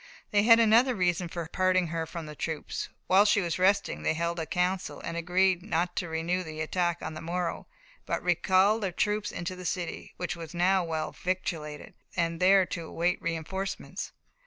They had another reason for parting her from the troops. While she was resting they held a council, and agreed not to renew the attack on the morrow, but recall the troops into the city, which was now well victualled, and there await reinforcements.